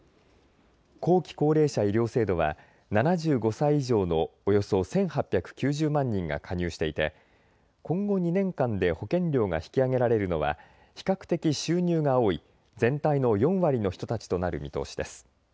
後期高齢者医療制度は７５歳以上のおよそ１８９０万人が加入していて今後２年間で保険料が引き上げられるのは比較的、収入が多い全体の４割の人たちとなる見通しです。